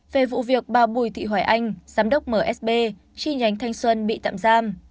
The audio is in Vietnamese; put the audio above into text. về vụ việc bà bùi thị hoài anh giám đốc msb chi nhánh thanh xuân bị tạm giam